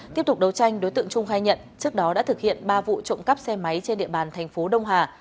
tiếp tục đấu tranh đối tượng trung khai nhận trước đó đã thực hiện ba vụ trộm cắp xe máy trên địa bàn thành phố đông hà